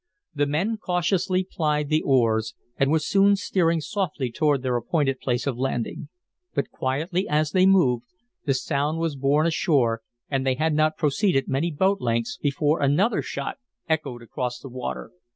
The men cautiously plied the oars and were soon steering softly toward their appointed place of landing. But quietly as they moved, the sound was borne ashore and they had not proceeded many boat lengths before another shot echoed across the water.